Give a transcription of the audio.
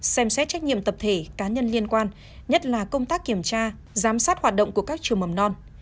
xem xét trách nhiệm tập thể cá nhân liên quan nhất là công tác kiểm tra giám sát hoạt động của các trường mầm non